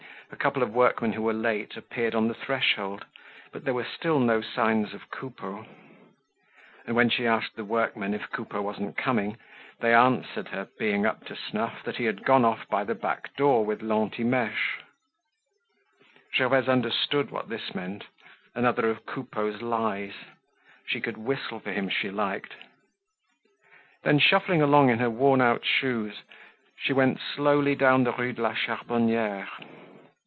A couple of workmen who were late appeared on the threshold, but there were still no signs of Coupeau. And when she asked the workmen if Coupeau wasn't coming, they answered her, being up to snuff, that he had gone off by the back door with Lantimeche. Gervaise understood what this meant. Another of Coupeau's lies; she could whistle for him if she liked. Then shuffling along in her worn out shoes, she went slowly down the Rue de la Charbonniere.